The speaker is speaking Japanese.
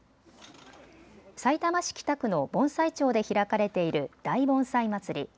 さいたま市北区の盆栽町で開かれている大盆栽まつり。